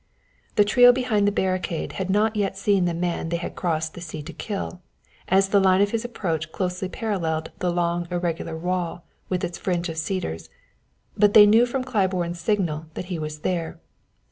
The trio behind the barricade had not yet seen the man they had crossed the sea to kill, as the line of his approach closely paralleled the long irregular wall with its fringe of cedars; but they knew from Claiborne's signal that he was there.